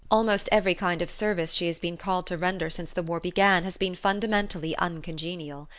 Almost every kind of service she has been called to render since the war began has been fundamentally uncongenial.